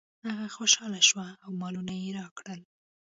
هغه خوشحاله شو او مالونه یې راکړل.